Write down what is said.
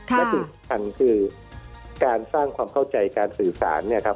และสิ่งที่สุดท้ายคือการสร้างความเข้าใจการสื่อสาร